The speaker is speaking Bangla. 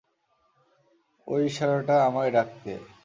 ওই ইশারাটা আমায় ডাকতে।